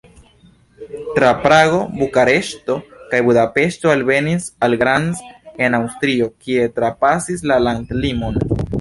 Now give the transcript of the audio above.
Tra Prago, Bukareŝto kaj Budapeŝto alvenis al Graz en Aŭstrio, kie trapasis la landlimon.